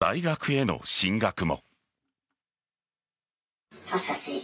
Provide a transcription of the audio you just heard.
その後、大学への進学も。